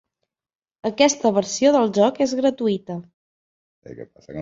Aquesta versió del joc és gratuïta.